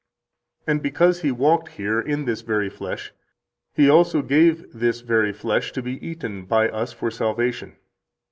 And because He walked here in this very flesh, he also gave this very flesh to be eaten by us for salvation.